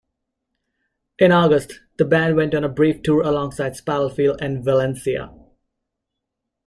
In August, the band went on a brief tour alongside Spitalfield and Valencia.